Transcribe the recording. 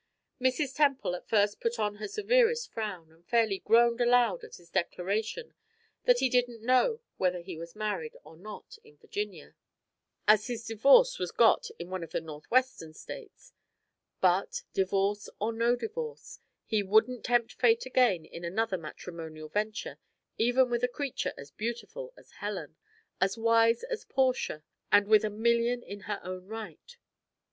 Mrs. Temple at first put on her severest frown and fairly groaned aloud at his declaration that he didn't know whether he was married or not in Virginia, as his divorce was got in one of the Northwestern States; but, divorce or no divorce, he wouldn't tempt Fate again in another matrimonial venture even with a creature as beautiful as Helen, as wise as Portia, and with a million in her own right.